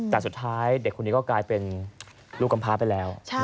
แต่สุดท้ายเด็กคนนี้ก็กลายเป็นลูกกำพาไปแล้ว